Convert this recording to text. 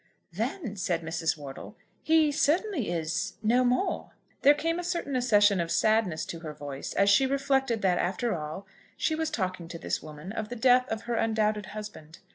"Then," said Mrs. Wortle, "he certainly is no more." There came a certain accession of sadness to her voice, as she reflected that, after all, she was talking to this woman of the death of her undoubted husband.